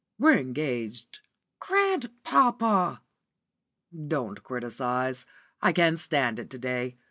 We're engaged." "Grandpapa!" "Don't criticise, I can't stand it to day.